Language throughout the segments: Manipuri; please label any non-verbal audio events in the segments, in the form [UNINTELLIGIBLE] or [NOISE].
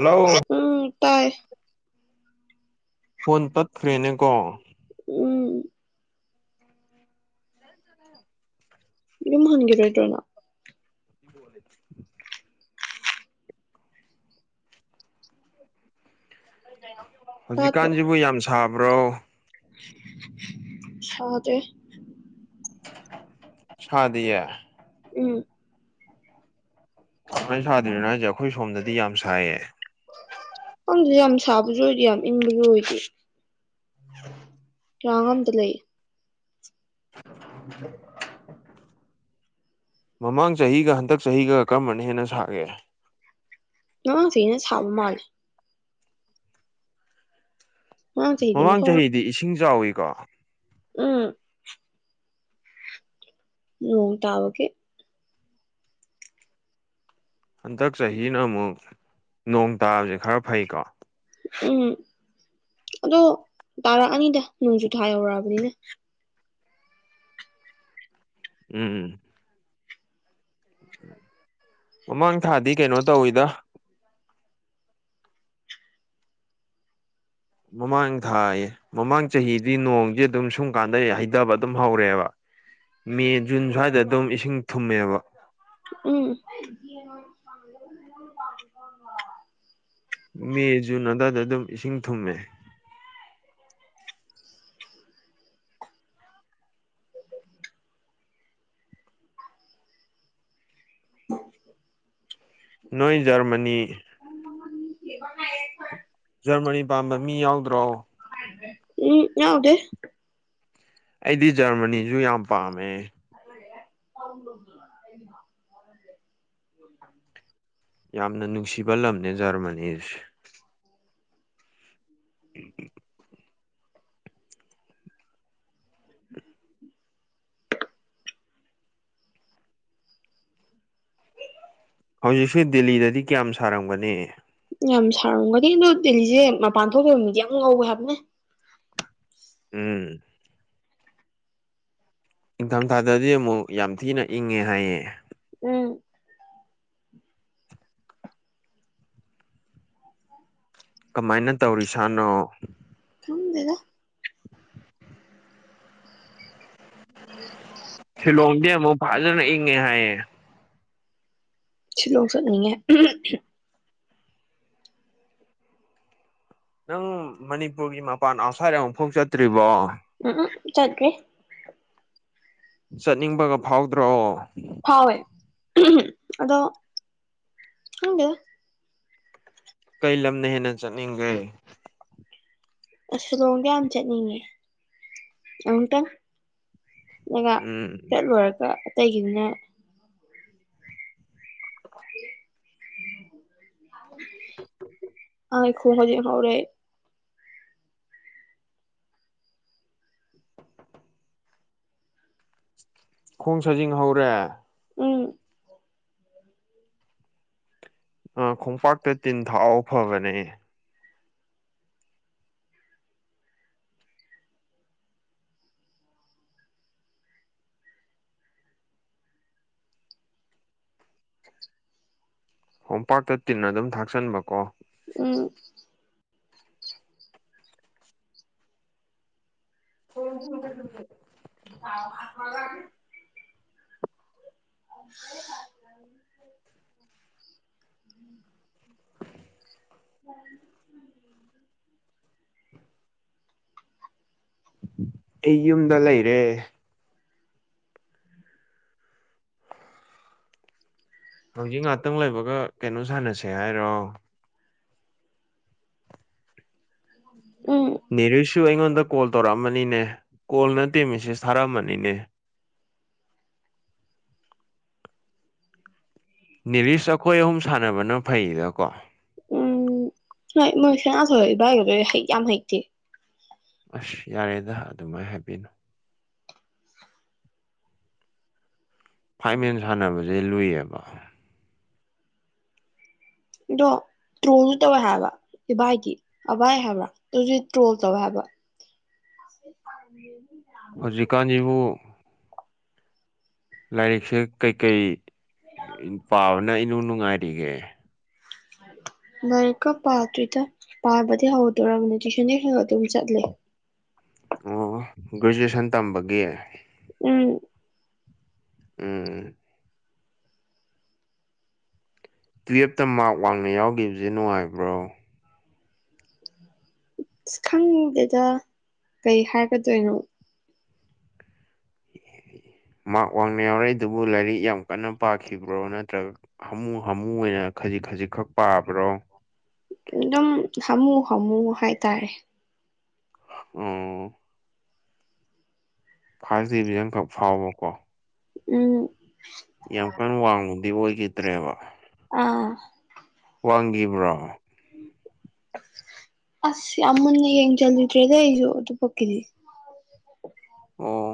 ꯂꯧ꯫ ꯎꯝ ꯇꯥꯏ ꯐꯣꯟ ꯇꯠꯈ꯭ꯔꯦꯅꯦꯀꯣ ꯎꯝ ꯌꯨꯝ ꯍꯟꯒꯤꯔꯣꯏꯗ꯭ꯔꯣꯅ ꯀꯣ ꯍꯧꯖꯤꯛꯀꯥꯟꯁꯤꯕꯨ ꯌꯥꯝ ꯁꯥꯕ꯭ꯔꯣ ꯁꯗ ꯁꯥꯗꯤꯌꯦ ꯎꯝ ꯁꯥꯏꯅ ꯁꯥꯗ꯭ꯔꯤꯅꯣ ꯍꯥꯏꯁꯦ ꯑꯩꯈꯣꯏ ꯁꯣꯝꯗꯗꯤ ꯌꯥꯝ ꯁꯥꯏꯌꯦ ꯌꯥꯝ ꯁꯥꯕꯁꯨ ꯑꯣꯏꯗꯤꯦ ꯌꯥꯝ ꯏꯪꯕꯁꯨ ꯑꯣꯏꯗꯦ ꯀ ꯑꯝꯇ ꯂꯩ [UNINTELLIGIBLE] ꯃꯃꯥꯡ ꯆꯍꯤꯒ ꯍꯟꯗꯛ ꯆꯍꯤꯒ ꯀꯔꯝꯕꯅ ꯍꯦꯟꯅ ꯁꯥꯒꯦ ꯑꯉꯥꯡꯁꯤꯩꯅ ꯁꯥꯕ ꯃꯥꯜꯂꯦ ꯉꯔꯥꯡ ꯆꯍꯤꯗꯤ ꯃꯃꯥꯡ ꯃꯊꯣꯡ ꯆꯍꯤꯗꯤ ꯏꯁꯤꯡ ꯆꯥꯎꯏꯀꯣ ꯎꯝ ꯎ ꯇꯥꯕꯒꯦ ꯍꯟꯗꯛ ꯆꯍꯤꯅ ꯑꯃꯨꯛ ꯅꯣꯡ ꯇꯥꯕꯁꯦ ꯈꯔ ꯐꯩꯀꯣ ꯎꯝ ꯑꯗꯣ ꯇꯥꯔꯛꯑꯅꯤꯗ ꯅꯣꯡꯖꯨ ꯊꯥ ꯌꯧꯔꯛꯑꯕꯅꯤꯅ ꯎꯝ ꯃꯃꯥꯡ ꯊꯥꯗꯤ ꯀꯩꯅꯣ ꯇꯧꯋꯤꯗ ꯃꯃꯥꯡ ꯊꯑ ꯃꯃꯥꯡ ꯆꯍꯤꯗꯤ ꯅꯣꯡꯗꯤ ꯑꯗꯨꯝ ꯁꯨꯝ ꯀꯥꯟꯗ ꯍꯩꯊꯕ ꯑꯗꯨꯝ ꯍꯧꯔꯦꯕ ꯃꯦ ꯖꯨꯟ ꯁ꯭ꯋꯥꯏꯗ ꯑꯗꯨꯝ ꯏꯁꯤꯡ ꯊꯨꯝꯃꯦꯕ ꯎꯝ ꯃꯦ ꯖꯨꯟ ꯑꯗꯨꯋꯥꯏꯗ ꯑꯗꯨꯝ ꯏꯁꯤꯡ ꯊꯨꯝꯃꯦ [UNINTELLIGIBLE] ꯅꯣꯏ ꯖꯔꯃꯅꯤ ꯕꯉ ꯈ ꯖꯔꯃꯅꯤ ꯄꯥꯟꯕꯥꯝꯕ ꯃꯤ ꯌꯥꯎꯗ꯭ꯔꯣ ꯎꯝ ꯌꯥꯥꯎꯗꯦ ꯑꯩꯗꯤ ꯖꯔꯃꯅꯤꯁꯨ ꯌꯥꯝ ꯄꯥꯝꯃꯦ ꯥꯎ ꯎ ꯌꯥꯝꯅ ꯅꯨꯡꯁꯤꯕ ꯂꯝꯅꯦ ꯖꯔꯃꯅꯤꯁꯦ ꯎꯝ [INAUDIBLE] ꯍꯧꯖꯤꯛꯁꯦ ꯗꯦꯜꯂꯤꯗꯗꯤ ꯀꯌꯥꯝ ꯁꯥꯔꯝꯒꯅꯤ ꯌꯥꯝ ꯁꯥꯔꯝꯒꯗꯤ ꯑꯗꯣ ꯗꯦꯜꯂꯤꯁꯦ ꯃꯄꯥꯟ ꯊꯣꯛꯕ ꯃꯤꯗꯤ ꯌꯥꯝ ꯉꯧꯋꯦ ꯍꯥꯏꯕꯅꯦ ꯎꯝ ꯏꯪꯊꯝꯊꯥꯗꯗꯤ ꯑꯃꯨꯛ ꯌꯥꯝ ꯊꯤꯅ ꯏꯪꯉꯦ ꯍꯥꯏꯌꯦ ꯎꯝ ꯀꯃꯥꯏꯅ ꯇꯧꯔꯤꯁꯥꯅꯣ ꯈꯪꯗꯦꯗ [INAUDIBLE] ꯁꯤꯂꯣꯡꯗꯤ ꯑꯃꯨꯛ ꯐꯖꯅ ꯏꯪꯉꯦ ꯍꯥꯏꯌꯦ ꯁꯤꯂꯣꯡ ꯆꯠꯂꯨꯔꯦ ꯅꯪ ꯃꯅꯤꯄꯨꯔꯒꯤ ꯃꯄꯥꯟ ꯑꯥꯎꯠꯁꯥꯏꯠ ꯑꯃꯨꯛꯐꯥꯎ ꯆꯠꯇ꯭ꯔꯤꯕꯣ ꯎꯝ ꯆꯠꯂꯦ ꯆꯠꯅꯤꯡꯕꯒ ꯐꯥꯎꯗ꯭ꯔꯣ ꯐꯥꯎꯋꯦ ꯑꯗꯣ ꯈꯪꯗꯦꯗ ꯀꯩ ꯂꯝꯅ ꯍꯦꯟꯅ ꯆꯠꯅꯤꯡꯒꯦ ꯑ ꯁꯤꯨꯂꯣꯡꯗ ꯌꯥꯝ ꯆꯠꯅꯤꯡꯉꯦ ꯑꯃꯨꯛꯇꯪ ꯅ ꯎꯝ ꯆꯠꯂꯨꯔꯒ ꯑꯇꯩꯒꯤꯅ [UNINTELLIGIBLE] [INAUDIBLE] ꯈꯣꯡ ꯁꯥꯖꯤꯡ ꯍꯧꯔꯦ ꯎꯝ [INAUDIBLE] ꯑ ꯈꯣꯡꯄꯥꯛꯇ ꯇꯤꯟ ꯊꯥꯎ ꯐꯕꯅꯦ ꯈꯣꯡꯄꯥꯛꯇ ꯇꯤꯟꯅ ꯑꯗꯨꯝ ꯊꯥꯛꯆꯟꯕ ꯀꯣ ꯎꯝ [INAUDIBLE] [INAUDIBLE] [INAUDIBLE] [INAUDIBLE] [UNINTELLIGIBLE] ꯑꯩ ꯌꯨꯝꯗ ꯂꯩꯔꯦ ꯍꯧꯖꯤꯛ ꯉꯍꯥꯛꯇꯪ ꯂꯩꯕꯒ ꯀꯩꯅꯣ ꯁꯥꯟꯅꯁꯦ ꯍꯥꯏꯔꯣ ꯎꯝ ꯅꯦꯔꯤꯁꯁꯨ ꯑꯩꯉꯣꯟꯗ ꯀꯣꯜ ꯇꯧꯔꯛꯑꯃꯅꯤꯅꯦ ꯀꯣꯜ ꯅꯠꯇꯦ ꯃꯦꯁꯦꯁ ꯊꯥꯔꯛꯑꯃꯅꯤꯅꯦ ꯅꯤꯂꯤꯁ ꯑꯩꯈꯣꯏ ꯑꯍꯨꯝ ꯁꯥꯟꯅꯕꯅ ꯐꯩꯌꯦꯗ ꯀꯣ ꯎꯝ ꯍꯣꯏ ꯃꯣꯏ ꯁꯅꯥꯊꯣꯏ ꯍꯣꯏ ꯏꯕꯥꯏꯒꯗꯣ ꯍꯩꯗꯤ ꯌꯥꯝ ꯍꯩꯇꯦ ꯑꯁ ꯌꯥꯔꯦꯗ ꯑꯗꯨꯃꯥꯏꯅ ꯍꯥꯏꯕꯤꯅꯨ ꯐꯥꯏꯃꯦꯟ ꯁꯥꯟꯅꯕꯁꯦ ꯂꯨꯏꯌꯦꯕ ꯑꯗꯣ ꯇ꯭ꯔꯣꯜꯁꯨ ꯇꯧꯋꯦ ꯍꯥꯏꯕ ꯏꯚꯥꯏꯗꯤ ꯑꯚꯥꯏ ꯍꯥꯏꯕ꯭ꯔꯥ ꯑꯗꯨꯁꯨ ꯇ꯭ꯔꯣꯜ ꯇꯧꯋꯦ ꯍꯥꯏꯕ ꯅꯤ ꯍꯧꯖꯤꯛꯀꯥꯟꯁꯤꯕꯨ ꯂꯥꯏꯔꯤꯛꯁꯦ ꯀꯩꯀꯩ ꯄꯥꯕꯅ ꯏꯅꯨꯡ ꯅꯨꯡꯉꯥꯏꯔꯤꯒꯦ ꯂꯥꯏꯔꯤꯛꯀ ꯄꯥꯗꯔ꯭ꯤꯗ ꯄꯥꯕꯗꯤ ꯍꯧꯗꯣꯔꯕꯅꯦ ꯇꯨꯏꯁꯟꯗꯤ ꯈꯔ ꯑꯗꯨꯝ ꯆꯠꯂꯦ ꯑꯣ ꯒ꯭ꯔꯦꯖꯨꯑꯦꯁꯟ ꯇꯝꯕꯒꯤ ꯎꯝ ꯎꯝ ꯇꯨꯌꯦꯜꯞꯇ ꯃꯥꯔꯛ ꯋꯥꯡꯅ ꯌꯥꯎꯒꯤꯕꯁꯦ ꯅꯨꯡꯉꯥꯏꯕ꯭ꯔꯣ ꯑ ꯈꯪꯒꯦꯗ ꯀꯩ ꯍꯥꯏꯒꯗꯣꯏꯅꯣ [INAUDIBLE] ꯃꯥꯛ ꯋꯥꯡꯅ ꯌꯥꯎꯔꯛꯏ ꯑꯗꯨꯕꯨ ꯂꯥꯏꯔꯤꯛ ꯌꯥꯝ ꯀꯟꯅ ꯄꯥꯈꯤꯕ꯭ꯔꯣ ꯅꯠꯇ꯭ꯔꯒ ꯍꯥꯃꯨ ꯍꯥꯃꯨ ꯑꯣꯏꯅ ꯈꯖꯤꯛ ꯈꯖꯤꯛ ꯈꯛ ꯄꯥꯕ꯭ꯔꯣ ꯑꯗꯨꯝ ꯍꯥꯝꯃꯨ ꯍꯥꯃꯨ ꯍꯥꯏꯇꯥꯔꯦ ꯎꯝꯃ ꯐꯥꯔꯁ ꯗꯦꯗꯤ ꯅꯪꯅ ꯊꯣꯛ ꯁꯥꯎꯔꯣꯀꯣ ꯎꯝ ꯌꯥꯝ ꯀꯟꯅ ꯋꯥꯡꯕꯗꯤ ꯑꯣꯏꯒꯤꯗ꯭ꯔꯦꯕ ꯑꯥ ꯋꯥꯡꯒꯤꯕ꯭ꯔꯣ ꯑꯁ ꯌꯥꯝ ꯃꯨꯟꯅ ꯌꯦꯡꯖꯟꯂꯨꯗ꯭ꯔꯦꯗ ꯑꯩꯖꯨ ꯑꯗꯨꯕꯣꯛꯀꯤꯗꯤ ꯑꯣ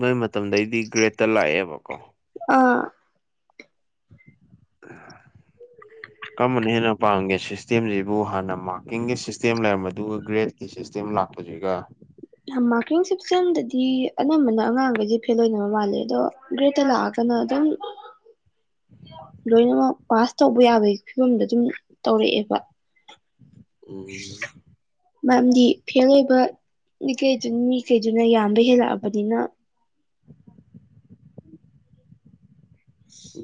ꯅꯣꯏ ꯃꯇꯝꯗꯩꯗꯤ ꯒ꯭ꯔꯦꯠꯇ ꯂꯥꯛꯑꯦꯕꯀꯣ ꯑꯥ [UNINTELLIGIBLE] [UNINTELLIGIBLE] ꯀꯔꯝꯕꯅ ꯍꯦꯟꯅ ꯄꯥꯝꯒꯦ ꯁꯤꯁꯇꯦꯝꯖꯤꯕꯨ ꯍꯥꯟꯅ ꯃꯥꯔꯀꯤꯡꯒꯤ ꯁꯤꯁꯇꯦꯝ ꯂꯩꯔꯝꯕꯗꯨꯒ ꯒ꯭ꯔꯦꯗ ꯁꯤꯁꯇꯦꯝ ꯂꯥꯛꯄꯁꯤꯒ ꯃꯥꯔꯀꯤꯡ ꯁꯤꯁꯇꯦꯝꯗꯗꯤ ꯑꯅꯝꯕꯅ ꯑꯉꯥꯡꯒꯩꯖꯦ ꯐꯦꯜ ꯑꯣꯏꯅꯕ ꯃꯥꯜꯂꯦ ꯑꯗꯣ ꯭ꯒꯔꯦꯗꯇ ꯂꯥꯛꯑꯒꯅ ꯑꯗꯨꯝ ꯂꯣꯏꯅꯃꯛ ꯄꯥꯁ ꯇꯧꯕ ꯌꯥꯕꯒꯤ ꯐꯤꯕꯝꯗ ꯑꯗꯨꯝ ꯇꯧꯔꯛꯑꯦꯕ ꯎꯝ ꯃꯔꯝꯗꯤ ꯐꯦꯜ ꯑꯣꯏꯕ ꯃꯤꯀꯩꯗꯨ ꯃꯤꯒꯩꯗꯨꯅ ꯌꯥꯝꯕ ꯍꯦꯜꯂꯛꯑꯕꯅꯤꯅ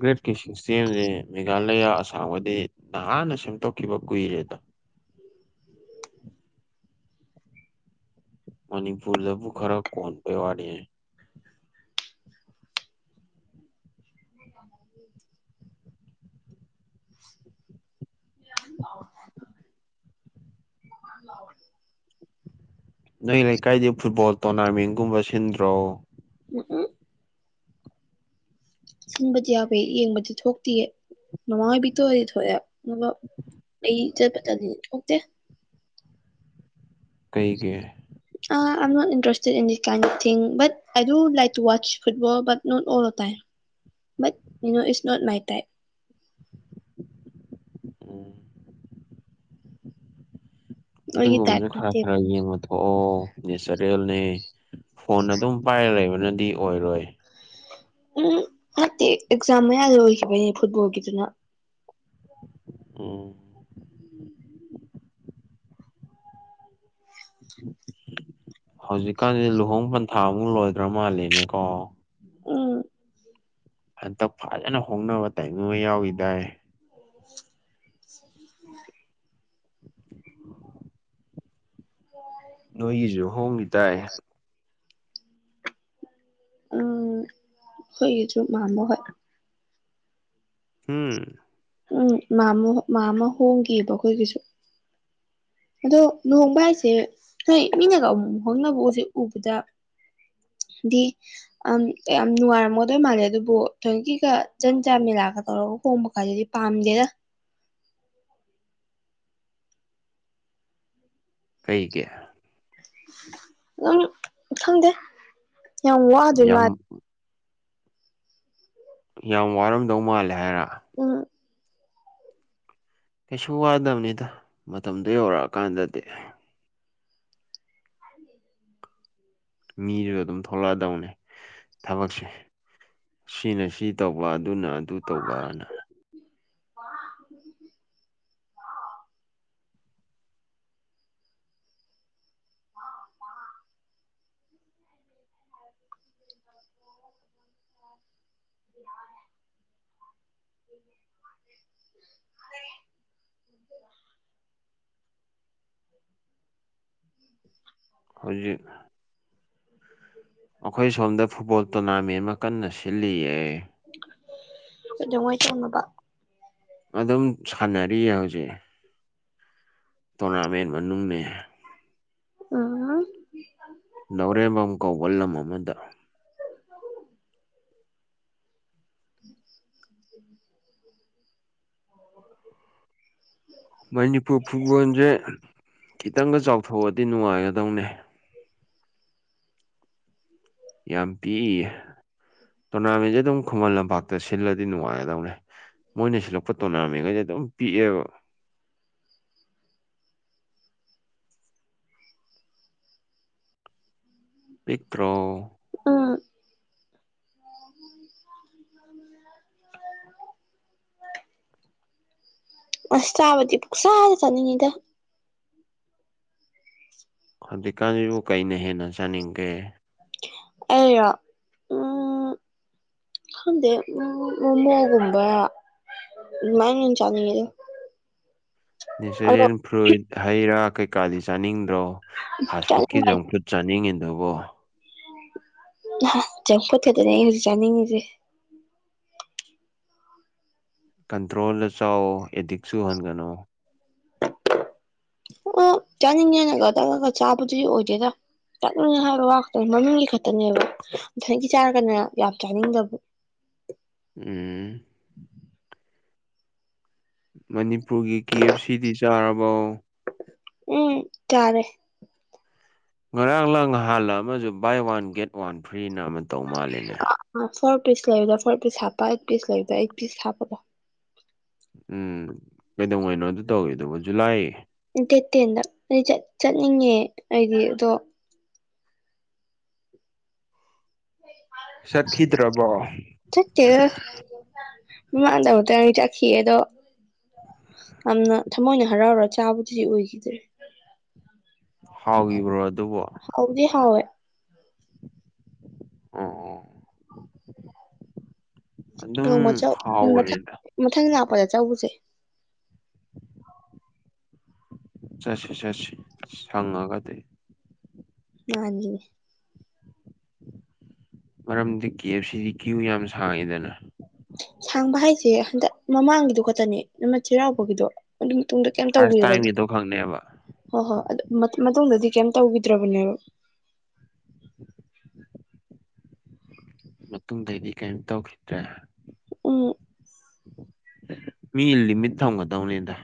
ꯒ꯭ꯔꯦꯗꯀꯤ ꯁꯤꯁꯇꯦꯝꯖꯦ ꯃꯦꯘꯂꯌꯥ ꯑꯁꯥꯝ ꯍꯣꯢꯗꯤ ꯅꯍꯥꯟꯅ ꯁꯦꯝꯗꯣꯛꯈꯤꯕ ꯀꯨꯏꯔꯦꯗ ꯃꯅꯤꯄꯨꯔꯗꯕꯨ ꯈꯔ ꯀꯣꯟ ꯕꯩ ꯋꯥꯅꯤ [INAUDIBLE] [INAUDIBLE] [INAUDIBLE] ꯅꯣꯢ ꯂꯩꯀꯥꯏꯗꯤ ꯐꯨꯠꯕꯣꯜ ꯇꯣꯔꯅꯥꯃꯦꯟꯒꯨꯝꯕ ꯁꯤꯟꯗ꯭ꯔꯣ [UNINTELLIGIBLE] ꯁꯤꯟꯕꯗꯤ ꯌꯥꯎꯋꯦ ꯌꯦꯡꯕꯗꯤ ꯊꯣꯛꯇꯤꯌꯦ ꯃꯃꯥ ꯍꯣꯏꯕꯨꯗꯤ ꯊꯣꯛꯑꯦ ꯑꯗꯨꯒ ꯑꯩ ꯆꯠꯄ ꯇꯟꯗꯅ ꯊꯣꯛꯇꯦ ꯀꯩꯒꯤ uh Aam not interested in that kind of thing but I like to watch football but not all the time but you know it's not my type um ꯑꯩꯒꯤ ꯇꯥꯏꯞ ꯑꯗꯨꯒꯨꯝꯕꯁꯨ ꯈꯔ ꯅꯠꯇꯦꯕ ꯈꯔ ꯌꯦꯡꯉꯨꯗ ꯊꯣꯛꯑꯣ ꯅꯦꯆꯔꯦꯜꯅꯦ ꯐꯣꯟ ꯑꯗꯨꯝ ꯄꯥꯏꯔ ꯂꯩꯕꯅꯗꯤ ꯑꯣꯏꯔꯣꯏ ꯎꯝ ꯅꯠꯇꯦ ꯑꯦꯛꯖꯥꯝ ꯃꯌꯥ ꯑꯣꯏꯈꯤꯕꯩꯅꯦ ꯐꯨꯠꯕꯣꯜꯒꯤꯗꯨꯅ ꯎꯝ ꯍꯧꯖꯤꯛꯀꯥꯟꯖꯦ ꯂꯨꯍꯣꯡ ꯄꯟꯊꯥꯃꯨꯛ ꯂꯣꯏꯒ꯭ꯔꯥ ꯃꯥꯜꯂꯦꯅꯦꯀꯣ ꯎꯝ ꯍꯟꯗꯛ ꯐꯖꯅ ꯍꯣꯡꯅꯕ ꯇꯥꯏꯃꯤꯡ ꯑꯃ ꯌꯥꯎꯈꯤꯗꯥꯏ [INAUDIBLE] ꯑꯣ ꯅꯣꯏꯒꯤꯁꯨ ꯍꯣꯡꯒꯤ ꯗꯥꯏ ꯎꯝ ꯈꯣꯢꯒꯤꯖꯨ ꯃꯥꯝꯃ ꯍꯣꯢ ꯍꯨꯝ ꯎꯝ ꯃꯥꯃꯣ ꯃꯥꯝꯃ ꯍꯣꯡꯈꯤꯑꯕ ꯑꯩꯈꯣꯏꯒꯤꯁꯨ ꯑꯗꯣ ꯂꯨꯍꯣꯡꯕ ꯍꯥꯏꯁꯦ ꯍꯣꯏ ꯃꯤꯅꯒ ꯑꯃꯨꯛ ꯑꯃꯨꯛ ꯍꯣꯡꯅꯕ ꯍꯨꯖꯤꯛ ꯎꯕꯗ ꯗꯤ ꯑꯝ ꯌꯥꯝ ꯅꯨꯡꯉꯥꯏꯔꯝꯃꯗꯣꯏ ꯃꯥꯜꯂꯦ ꯑꯗꯨꯕꯨ ꯊꯣꯏꯀꯤꯒ ꯖꯟꯖꯥ ꯃꯦꯂꯥꯒ ꯇꯧꯔꯒ ꯍꯣꯡꯕ ꯀꯥꯢꯗꯨꯗꯤ ꯄꯥꯝꯗꯦꯗ ꯀꯩꯒꯤ ꯑꯗꯨꯝ ꯈꯪꯗꯦ ꯌꯥꯝ ꯋꯥꯗꯣꯏ ꯌꯥꯝ ꯃꯥꯂꯦ ꯌꯥꯝ ꯋꯥꯔꯝꯗꯧ ꯃꯥꯜꯂꯦ ꯍꯥꯏꯔꯣ ꯑ ꯀꯩꯁꯨ ꯋꯥꯗꯕꯅꯤꯗ ꯃꯇꯝꯗꯨꯣ ꯌꯧꯔꯛꯑꯀꯥꯟꯗꯗꯤ ꯃꯤꯗꯨꯁꯨ ꯑꯗꯨꯝ ꯊꯣꯛꯂꯛꯑꯗꯧꯅꯦ ꯊꯕꯛꯁꯦ ꯁꯤꯅ ꯁꯤ ꯇꯧꯕ ꯑꯗꯨꯅ ꯑꯗꯨ ꯇꯧꯕꯅ [INAUDIBLE] [UNINTELLIGIBLE] [INAUDIBLE] [INAUDIBLE] ꯍꯧꯖꯤꯛ [INAUDIBLE] ꯑꯩꯈꯣꯏ ꯁꯣꯝꯗ ꯐꯨꯠꯕꯣꯜ ꯇꯣꯔꯅꯥꯃꯦꯟ ꯑꯃ ꯀꯟꯅ ꯁꯤꯜꯂꯤꯌꯦ ꯑꯗꯨꯗꯉꯥꯏ ꯇꯧꯃꯕ ꯑꯗꯨꯝ ꯁꯥꯟꯅꯔꯤꯌꯦ ꯍꯧꯖꯤꯛ ꯇꯣꯔꯅꯥꯃꯦꯟ ꯃꯅꯨꯡꯅꯦ ꯎꯝ ꯅꯥꯎꯔꯦꯝꯕꯝ ꯀꯧꯕ ꯂꯝ ꯑꯃꯗ [INAUDIBLE] ꯃꯅꯤꯄꯨꯔ ꯐꯨꯠꯕꯣꯜꯁꯦ ꯈꯤꯇꯪꯒ ꯆꯥꯎꯊꯣꯛꯑꯗꯤ ꯅꯨꯡꯉꯥꯏꯒꯗꯧꯅꯦ ꯌꯥꯝ ꯄꯤꯛꯏꯌꯦ ꯇꯣꯔꯅꯥꯃꯦꯟꯁꯦ ꯑꯗꯨꯝ ꯈꯨꯃꯟ ꯂꯝꯄꯥꯛ ꯁꯤꯜꯂꯗꯤ ꯅꯨꯡꯉꯥꯏꯒꯗꯧꯅꯦ ꯃꯣꯏꯅ ꯁꯤꯜꯂꯛꯄ ꯇꯣꯔꯅꯥꯃꯦꯟꯈꯩꯁꯦ ꯑꯗꯨꯝ ꯄꯤꯛꯑꯦꯕ ꯄꯕꯛ꯭ꯔꯣ ꯎꯝ [INAUDIBLE] ꯑꯁ ꯆꯕꯗꯤ ꯄꯨꯁꯥꯗꯦ ꯆꯅꯤꯉꯗ ꯍꯧꯖꯤꯛꯀꯥꯟꯁꯤꯕꯨ ꯀꯩꯅ ꯍꯦꯟꯅ ꯆꯥꯅꯤꯡꯒꯦ ꯑ ꯎꯝ ꯍꯗꯦ ꯎ ꯃ ꯃꯒꯨꯝꯕ ꯃ ꯆꯥꯅꯤꯡ ꯃꯔ ꯅꯦꯆꯔꯦꯜ ꯐ꯭ꯔꯨꯏꯗ ꯍꯩ ꯔꯥ ꯀꯩꯀꯥꯗꯤ ꯆꯥꯅꯤꯡꯗ꯭ꯔꯣ ꯐꯥꯁ ꯐꯨꯗꯀꯤ ꯆꯥꯅꯤꯡꯕ ꯖꯪ ꯐꯨꯗ ꯆꯥꯅꯤꯡꯉꯤꯗꯧꯕꯣ ꯆꯪꯄꯊꯗꯅꯦ ꯑꯩ ꯍꯧꯖꯤꯛ ꯆꯥꯅꯤꯡꯉꯤꯁꯦ ꯀꯟꯇ꯭ꯔꯣꯜꯗ ꯆꯥꯎ ꯑꯦꯗꯤꯛꯁꯨ ꯎꯍꯟꯒꯅꯨ ꯑꯣ ꯆꯥꯅꯤꯡꯉꯅꯒ ꯇꯪꯉꯒ ꯆꯥꯕꯗꯨꯗꯤ ꯑꯣꯏꯗꯦꯔ ꯆꯠꯅꯤꯡꯉ ꯍꯥꯏꯕ ꯋꯥꯛꯇ ꯃꯃꯤꯡꯒꯤ ꯈꯛꯇꯅꯦꯕ ꯊꯅꯀꯤ ꯆꯥꯔꯒꯅ ꯌꯥꯝ ꯆꯥꯅꯤꯡꯗꯕ ꯎꯝ ꯃꯅꯤꯄꯨꯔꯒꯤ ꯀꯤ ꯑꯦꯐ ꯁꯤꯗꯤ ꯆꯥꯔꯕꯣ ꯎꯝ ꯆꯔꯦ ꯉꯔꯥꯡ ꯂꯥꯡ ꯍꯥꯥꯟꯂ ꯑꯃꯁꯨ ꯕꯥꯏ ꯋꯥꯟ ꯒꯦꯠ ꯋꯥꯟ ꯐ꯭ꯔꯤꯅ ꯑꯃ ꯇꯧ ꯃꯥꯜꯂꯦꯅꯦ ꯐꯣꯔ ꯄꯤꯁ ꯂꯩꯕꯗ ꯐꯣꯔ ꯄꯤꯁ ꯍꯥꯞꯄ ꯑꯩꯠ ꯄꯤꯁ ꯂꯩꯕꯗꯣ ꯑꯩꯠ ꯄꯤꯁ ꯍꯥꯞꯄꯗꯣ ꯎꯝ ꯀꯩꯗꯧꯉꯅꯣ ꯑꯗꯨ ꯇꯧꯋꯤ ꯑꯗꯨꯕꯨ ꯖꯨꯂꯥꯏ ꯗꯦꯠ ꯇꯦꯟꯗ ꯑꯩ ꯆꯠꯅꯤꯡꯉꯦ ꯑꯩꯗꯤ ꯑꯗꯣ ꯆꯠꯈꯤꯗ꯭ꯔꯕꯣ ꯃꯥꯟꯗꯕꯗ ꯏ ꯈꯈꯤꯌꯦꯗꯣ ꯌꯥꯝꯅ ꯊꯃꯣꯏꯅ ꯍꯔꯥꯎꯔ ꯆꯥꯕꯗꯨꯗꯤ ꯑꯣꯏꯈꯤꯗ꯭ꯔꯦ ꯍꯥꯎꯕ꯭ꯔꯣ ꯑꯗꯨꯕꯨꯣ ꯍꯧꯥꯎꯗꯤ ꯍꯥꯎꯋꯦ ꯑꯣ ꯑꯣ ꯅ ꯑꯗꯨꯝ ꯃꯧ ꯃꯊꯪ ꯍꯥꯎꯕꯅꯤꯗ ꯃꯊꯪ ꯂꯥꯛꯄꯗ ꯆꯧꯁꯦ ꯆꯁꯤ ꯆꯁꯤ ꯁꯉꯒꯗꯤ ꯃꯅꯤ ꯃꯔꯝꯗꯤ ꯀꯦ ꯑꯦꯐ ꯁꯤꯗꯤ ꯀ꯭ꯌꯨ ꯌꯥꯝ ꯁꯥꯡꯉꯤꯗꯅ ꯁꯥꯡꯕ ꯍꯥꯏꯁꯦ ꯍꯟꯗꯛ ꯃꯃꯥꯡꯒꯤꯗꯣ ꯈꯛꯇꯅꯦ ꯅ ꯆꯩꯔꯥꯎꯕꯒꯤꯗꯣ ꯑꯗꯨ ꯃꯇꯨꯡꯨꯡꯗ ꯐꯥꯔꯁ ꯀꯩꯝꯇꯥꯎꯕꯤꯔꯕ ꯇꯥꯏꯝꯒꯤꯗꯣ ꯈꯪꯅꯦꯕ ꯍꯣꯏ ꯍꯣꯏ ꯑꯗꯨ ꯃꯇꯨꯡꯗꯗꯤ ꯀꯩꯝ ꯇꯧꯈꯤꯗ꯭ꯔꯕꯅꯦꯕ [INAUDIBLE] ꯃꯇꯨꯡꯗꯩꯗꯤ ꯀꯔꯤꯝ ꯇꯧꯈꯤꯗ꯭ꯔꯦ ꯎꯝ ꯃꯤ ꯏꯜꯂꯤ ꯃꯤꯠ ꯊꯣꯡꯒꯗꯧꯅꯤꯗ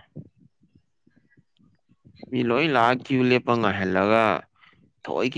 ꯃꯤ ꯂꯣꯏ ꯂꯥꯛꯑ ꯀ꯭ꯌꯨ ꯂꯦꯞꯄ ꯉꯥꯏꯍꯜꯂꯒ ꯊꯣꯏ